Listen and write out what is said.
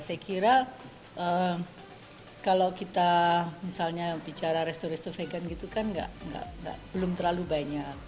saya kira kalau kita misalnya bicara resto resto vegan gitu kan belum terlalu banyak